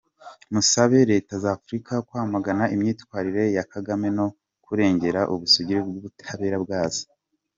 Musabe Leta za Afrika kwamagana imyitwarire ya Kagame no kurengera ubusugire bw’ubutabera bwazo.